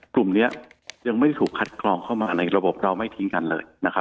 กลุ่มนี้ยังไม่ได้ถูกคัดกรองเข้ามาในระบบเราไม่ทิ้งกันเลยนะครับ